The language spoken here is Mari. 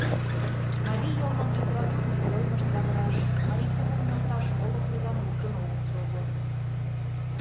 Марий йылмым литературный йылмыш савыраш, марий кумыл нӧлташ моло книгам луктын огыт шого.